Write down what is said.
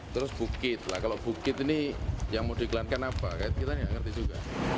terus bukit lah kalau bukit ini yang mau diiklankan apa kita nggak ngerti juga